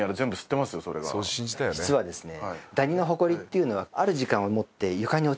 実はですね。